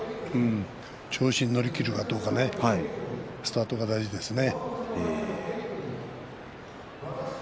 調子に乗りきるかどうかスタートが大事ですね。